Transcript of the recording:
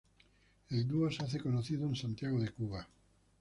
El dúo se hace conocido en Santiago de Cuba.